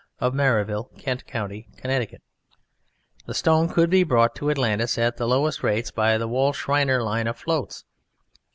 of Maryville, Kent County, Conn. The stone could be brought to Atlantis at the lowest rates by the Wall Schreiner line of floats.